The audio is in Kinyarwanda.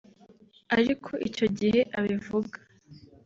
Ariko icyo gihe abivuga